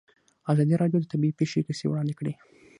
ازادي راډیو د طبیعي پېښې کیسې وړاندې کړي.